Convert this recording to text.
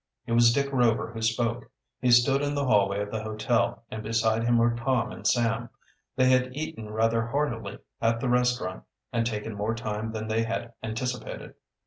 It was Dick Rover who spoke. He stood in the hallway of the hotel, and beside him were Tom and Sam. They had eaten rather heartily at the restaurant and taken more time than they had anticipated.